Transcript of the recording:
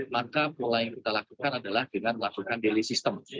maka pola yang kita lakukan adalah dengan melakukan delay system